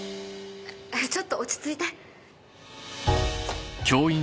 ちょっと落ち着いて。